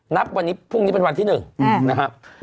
นับวันนี้พรุ่งนี้เป็นวันที่๑นะครับ